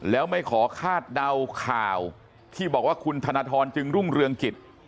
แล้วไม่ขอคาดเดาข่าวที่บอกว่าคุณธนทรจึงรุ่งเรืองกิจ